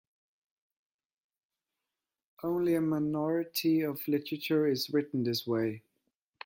Only a minority of literature is written this way.